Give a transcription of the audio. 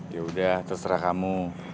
yaudah terserah kamu